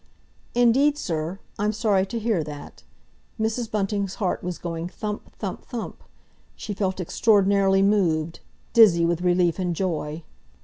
"Indeed, sir. I'm sorry to hear that." Mrs. Bunting's heart was going thump—thump—thump. She felt extraordinarily moved, dizzy with relief and joy.